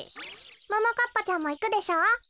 ももかっぱちゃんもいくでしょ？